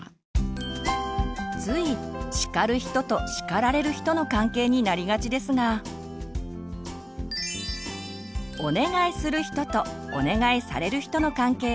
つい「叱る人」と「叱られる人」の関係になりがちですが「お願いする人」と「お願いされる人」の関係を意識して声かけをしてみる。